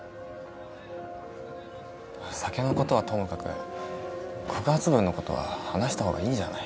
酒のことはともかく告発文のことは話した方がいいんじゃない？